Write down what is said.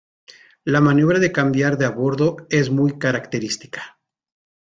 La maniobra de cambiar de a bordo es muy característica.